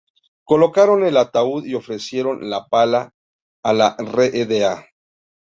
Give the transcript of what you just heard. Colocaron el ataúd y ofrecieron la pala a la Rda.